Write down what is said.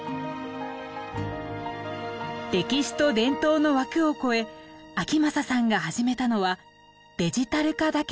歴史と伝統の枠を超え章匡さんが始めたのはデジタル化だけではありません。